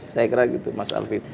saya kira gitu mas alvin